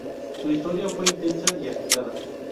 Su historia fue intensa y agitada.